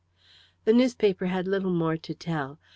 The newspaper had little more to tell.